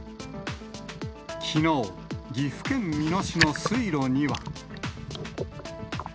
きのう、岐阜県美濃市の水路には。